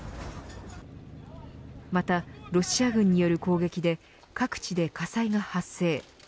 またロシア軍による砲撃で各地で火災が発生。